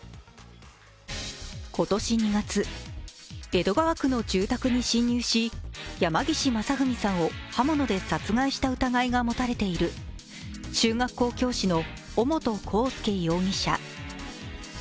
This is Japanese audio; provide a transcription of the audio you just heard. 今年２月、江戸川区の住宅に侵入し、山岸正文さんを刃物で殺害した疑いが持たれている中学校教師の尾本幸祐容疑者。